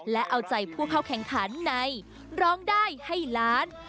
และเอาใจผู้เข้าแข่งขันในร้องได้ให้ล้าน